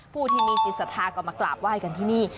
ผู้ที่มีจิตศรัทธาก็มากราบไหว้กันที่นี่